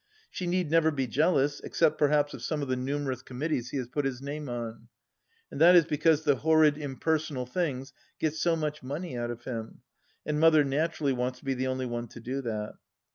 She need never be jealous, except perhaps of some of the numerous Committees he has put his name on, and that is because the horrid impersonal things get so much money out of him, and Mother naturally wants to be the only one to do that.